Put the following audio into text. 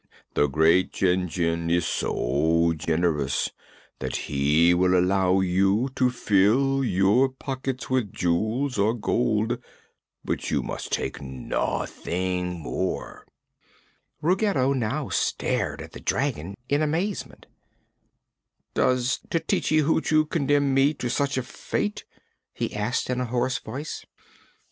The Great Jinjin is so generous that he will allow you to fill your pockets with jewels or gold, but you must take nothing more." Ruggedo now stared at the dragon in amazement. "Does Tititi Hoochoo condemn me to such a fate?" he asked in a hoarse voice.